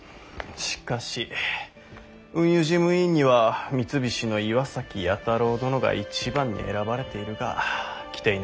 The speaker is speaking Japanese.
しかし運輸事務委員には三菱の岩崎弥太郎殿が一番に選ばれているが来ていないなぁ。